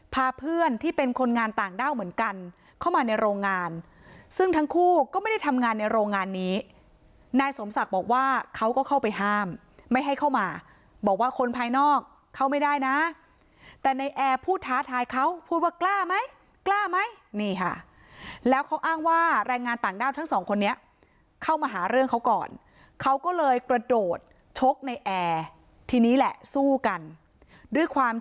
พาเพื่อนที่เป็นคนงานต่างด้าวเหมือนกันเข้ามาในโรงงานซึ่งทั้งคู่ก็ไม่ได้ทำงานในโรงงานนี้นายสมศักดิ์บอกว่าเขาก็เข้าไปห้ามไม่ให้เข้ามาบอกว่าคนภายนอกเข้าไม่ได้นะแต่ในแอร์พูดท้าทายเขาพูดว่ากล้าไหมกล้าไหมนี่ค่ะแล้วเขาอ้างว่าแรงงานต่างด้าวทั้งสองคนนี้เข้ามาหาเรื่องเขาก่อนเขาก็เลยกระโดดชกในแอร์ทีนี้แหละสู้กันด้วยความ